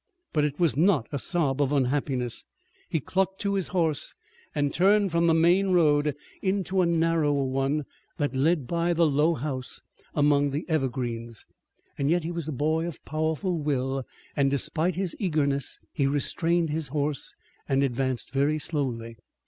But it was not a sob of unhappiness. He clucked to his horse and turned from the main road into a narrower one that led by the low house among the evergreens. Yet he was a boy of powerful will, and despite his eagerness, he restrained his horse and advanced very slowly.